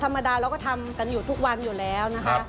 ธรรมดาเราก็ทำกันอยู่ทุกวันอยู่แล้วนะคะ